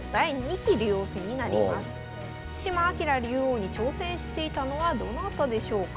島朗竜王に挑戦していたのはどなたでしょうか。